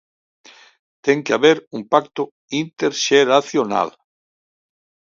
Ten que haber un pacto interxeracional.